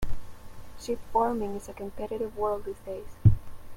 Sheep farming is a competitive world these days.